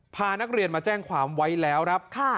พานักเรียนมาแจ้งความไว้แล้วครับ